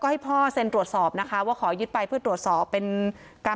ให้พ่อเซ็นตรวจสอบนะคะว่าขอยึดไปเพื่อตรวจสอบเป็นการ